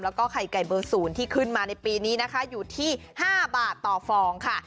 แล้วก็ไข่ไก่เบอร์๐ที่ขึ้นมาในปีนี้นะคะอยู่ที่๕บาทต่อฟองค่ะ